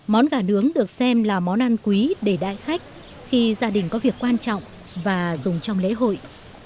món gà nướng được xem là món ăn quý để đại khách khi gia đình có việc quan trọng và dùng trong lễ hội